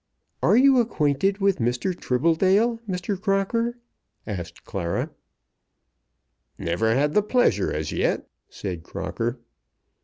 "Are you acquainted with Mr. Tribbledale, Mr. Crocker?" asked Clara. "Never had the pleasure as yet," said Crocker.